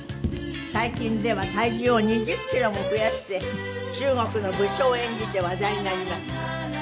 最近では体重を２０キロも増やして中国の武将を演じて話題になりました。